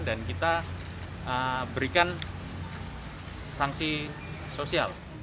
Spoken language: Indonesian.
dan kita berikan sanksi sosial